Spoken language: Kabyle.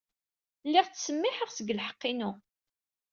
Lliɣ ttsemmiḥeɣ seg lḥeqq-inu.